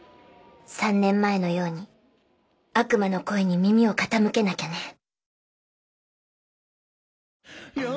３年前のように悪魔の声に耳を傾けなきゃね